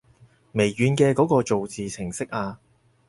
微軟嘅嗰個造字程式啊